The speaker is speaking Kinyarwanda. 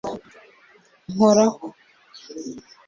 “Nkoraho”